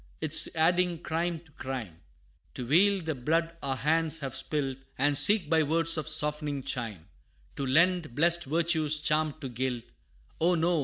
'tis adding crime to crime, To veil the blood our hands have spilt, And seek by words of softening chime, To lend blest virtue's charm to guilt. Oh, no!